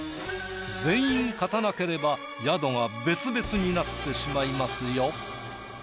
全員勝たなければ宿が別々になってしまいますよ。